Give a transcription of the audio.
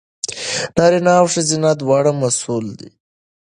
نارینه او ښځینه دواړه مسوول دي.